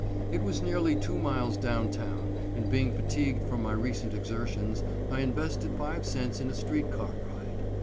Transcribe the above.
It was nearly two miles down town, and being fatigued from my recent exertions, I invested five cents in a street car ride.